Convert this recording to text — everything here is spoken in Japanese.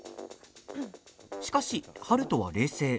しかし、春風は冷静。